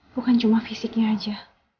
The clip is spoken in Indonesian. bukan cuma fisiknya aja